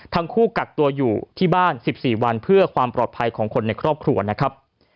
ทั้งคู่กักตัวอยู่ที่บ้าน๑๔วันเพื่อความปลอดภัยของคนในครอบครัวนะครับ